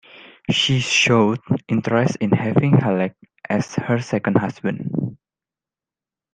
She showed interest in having Halleck as her second husband.